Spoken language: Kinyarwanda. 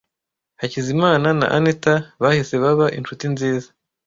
Hakizimana na Anita bahise baba inshuti nziza.